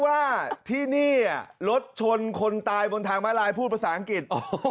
ว่าที่นี่รถชนคนตายบนทางมาลายพูดภาษาอังกฤษ